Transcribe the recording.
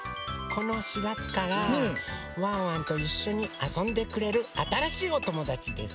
この４がつからワンワンといっしょにあそんでくれるあたらしいおともだちです。